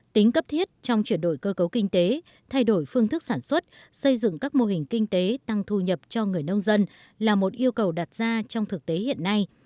tính cấp thiết trong chuyển đổi cơ cấu kinh tế thay đổi phương thức sản xuất xây dựng các mô hình kinh tế tăng thu nhập cho người nông dân là một yêu cầu đặt ra trong thực tế hiện nay